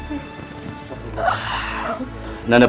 sebaiknya nanda prabu